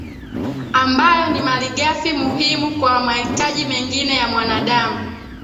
ambayo ni mali ghafi muhimu kwa mahitaji mengine ya mwanadamu